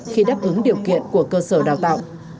khi đáp ứng điều kiện của cơ sở đào tạo